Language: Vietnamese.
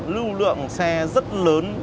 lưu lượng xe rất lớn